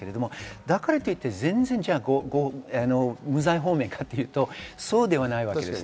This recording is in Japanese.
だからといって無罪放免かというと、そうではないです。